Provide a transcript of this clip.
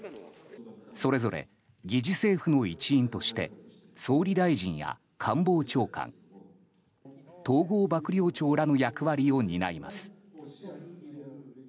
それぞれ疑似政府の一員として総理大臣や官房長官統合幕僚長らの役割を担います。